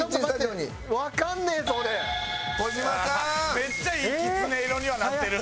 めっちゃいいキツネ色にはなってる。